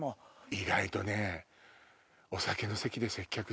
意外とね。